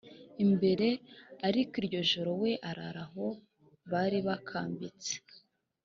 Imbere ariko iryo joro we arara aho bari bakambitse